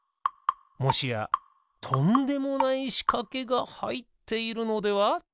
もしやとんでもないしかけがはいっているのでは？